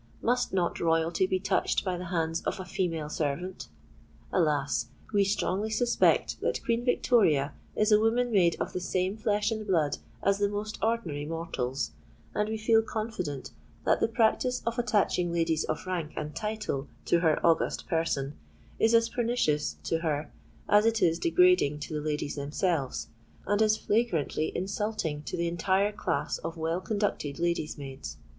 Must not royalty be touched by the hands of a female servant? Alas! we strongly suspect that Queen Victoria is a woman made of the same flesh and blood as the most ordinary mortals: and we feel confident that the practice of attaching ladies of rank and title to her august person is as pernicious to her, as it is degrading to the ladies themselves, and as flagrantly insulting to the entire class of well conducted ladies' maids.